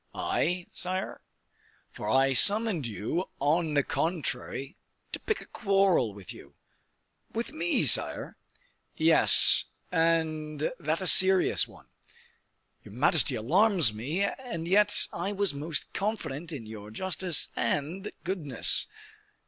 "I, sire?" "For I summoned you, on the contrary, to pick a quarrel with you." "With me, sire?" "Yes: and that a serious one." "Your majesty alarms me and yet I was most confident in your justice and goodness."